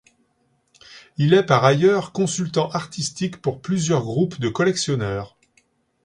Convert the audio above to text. Il est par ailleurs consultant artistique pour plusieurs groupes de collectionneurs.